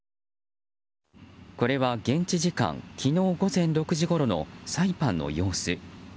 これは現地時間昨日午前６時ごろのサイパンの様子。